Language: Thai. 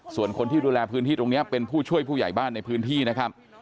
ส่วนคนที่ดูแลพื้นที่ตรงนี้เป็นผู้ช่วยผู้ใหญ่บ้านในพื้นที่นะครับ